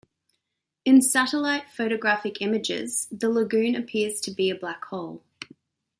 In satellite photographic images the lagoon appears to be a black hole.